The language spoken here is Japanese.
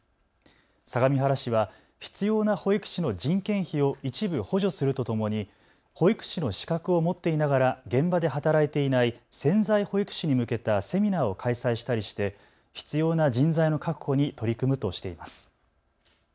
相模原市は必要な保育士の人件費を一部補助するとともに保育士の資格を持っていながら現場で働いていない潜在保育士に向けたセミナーを開催したりして必要な人材の確保に取り組むとしています。